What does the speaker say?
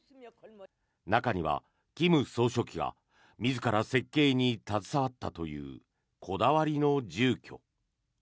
中には金総書記が自ら設計に携わったというこだわりの住居。